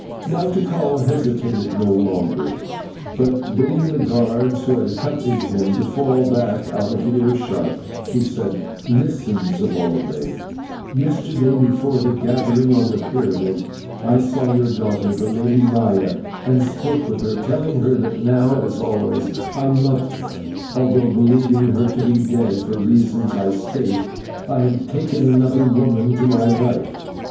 Now Tikal hesitated no longer, but, bidding the guards who had accompanied him to fall back out of earshot, he said: "Listen, Zibalbay; yesterday, before the gathering on the pyramid, I saw your daughter, the Lady Maya, and spoke with her, telling her that now, as always, I loved her, although believing her to be dead, for reasons of state I had taken another woman to be my wife.